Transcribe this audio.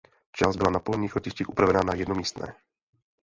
Část byla na polních letištích upravena na jednomístné.